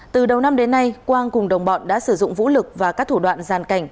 từ đầu năm đến nay quang cùng đồng bọn đã sử dụng vũ lực và các thủ đoạn gian cảnh